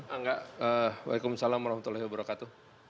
angga waalaikumsalam warahmatullahi wabarakatuh